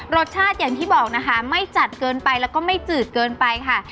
รสชาติอย่างที่บอกนะคะไม่จัดเกินไปแล้วก็ไม่จืดเกินไปค่ะ